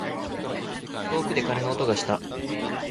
遠くで鐘の音がした。